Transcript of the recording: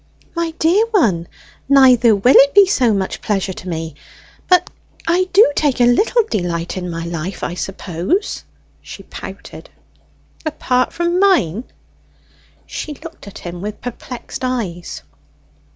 "My dear one, neither will it be so much pleasure to me ... But I do take a little delight in my life, I suppose," she pouted. "Apart from mine?" She looked at him with perplexed eyes.